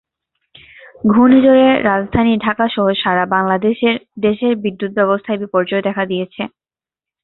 ঘূর্ণিঝড়ে রাজধানী ঢাকাসহ সারা বাংলাদেশের দেশের বিদ্যুত ব্যবস্থায় বিপর্যয় দেখা দিয়েছে।